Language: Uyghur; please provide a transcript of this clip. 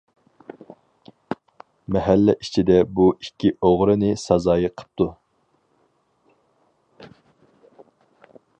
مەھەللە ئىچىدە بۇ ئىككى ئوغرىنى سازايى قىپتۇ.